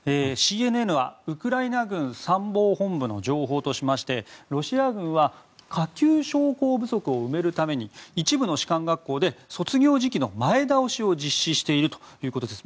ＣＮＮはウクライナ軍参謀本部の情報としましてロシア軍は下級将校不足を埋めるために一部の士官学校で卒業時期の前倒しを実施しているということです。